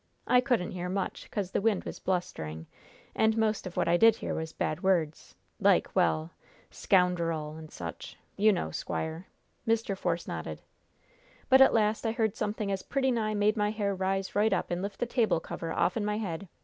I couldn't hear much, 'cause the wind was blustering, and most of what I did hear was bad words like well, 'scown der awl,' and such. You know, squire." Mr. Force nodded. "But at last I heard something as pretty nigh made my hair rise right up and lift the table cover offen my head.